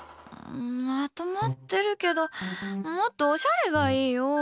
まとまってるけどもっとおしゃれがいいよ。